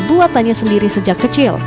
sebuah tanya sendiri sejak kecil